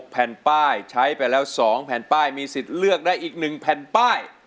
แผ่นป้ายใช้ไปแล้ว๒แผ่นป้ายมีสิทธิ์เลือกได้อีก๑แผ่นป้าย